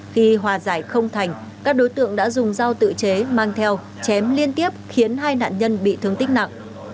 khi hòa giải không thành các đối tượng đã dùng dao tự chế mang theo chém liên tiếp khiến hai nạn nhân bị thương tích nặng